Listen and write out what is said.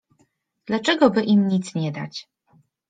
— Dlaczego by im nic nie dać?